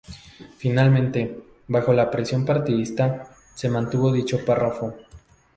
Finalmente, bajo la presión partidista, se mantuvo dicho párrafo.